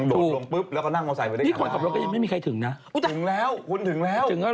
ถึงแล้ว